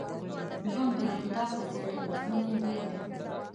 ژوند د یو کتاب په څېر دی فصلونه یې بېل دي.